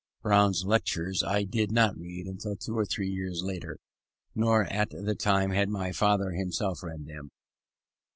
Brown's Lectures I did not read until two or three years later, nor at that time had my father himself read them.